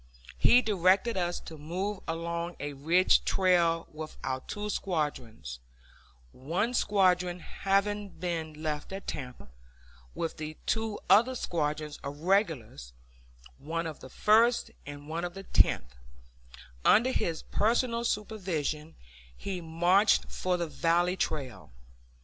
He directed us to move along a ridge trail with our two squadrons (one squadron having been left at Tampa), while with the two squadrons of regulars, one of the First and one of the Tenth, under his personal supervision, he marched up the valley trail.